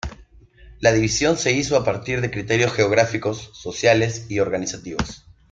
La división se hizo a partir de criterios geográficos, sociales y organizativos.